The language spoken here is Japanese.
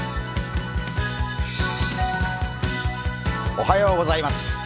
おはようございます。